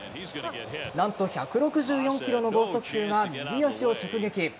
何と１６４キロの剛速球が右足を直撃。